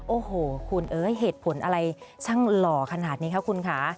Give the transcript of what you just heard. โอ้โหคุณเอ้ยเหตุผลอะไรช่างหล่อขนาดนี้คะคุณค่ะ